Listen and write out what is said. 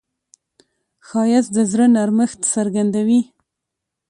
ښایست د زړه نرمښت څرګندوي